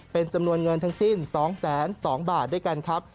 เป็นจำนวนเงินทั้งสิ้น๒๒๐๐บาทด้วยกันครับ